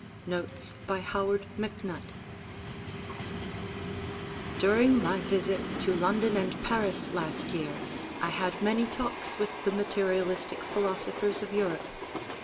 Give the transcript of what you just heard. Notes by Howard MacNutt DURING my visit to London and Paris last year I had many talks with the materialistic philosophers of Europe.